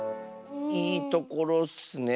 いいところッスね。